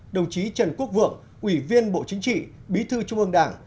đồng chí trần quốc vượng ủy viên bộ chính trị bí thư trung ương đảng